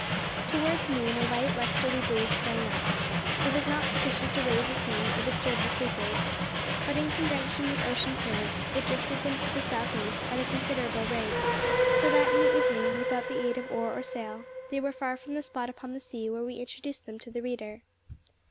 Towards noon a light westerly breeze sprang up. It was not sufficient to raise a sea or disturb the sleepers, but, in conjunction with ocean currents, it drifted them to the south east at a considerable rate, so that in the evening, without the aid of oar or sail, they were far from the spot upon the sea where we introduced them to the reader.